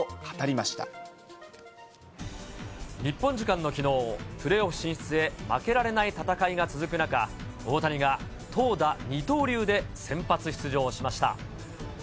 日本時間のきのう、プレーオフ進出へ、負けられない戦いが続く中、大谷が投打二刀流で先発出場しました。